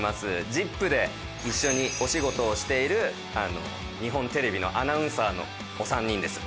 『ＺＩＰ！』で一緒にお仕事をしている日本テレビのアナウンサーの３人です。